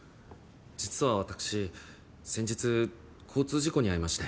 実はわたくし先日交通事故に遭いまして。